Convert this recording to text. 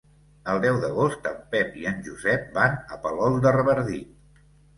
El deu d'agost en Pep i en Josep van a Palol de Revardit.